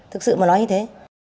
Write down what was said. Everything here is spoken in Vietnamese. thực sự mà nói như thế